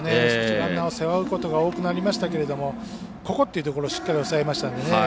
ランナーを背負うことが多くなりましたけどここっていうところしっかり抑えましたんでね。